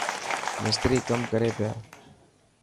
مستري ڪم ڪري پيا.